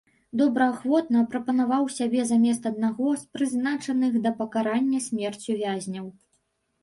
Добраахвотна прапанаваў сябе замест аднаго з прызначаных да пакарання смерцю вязняў.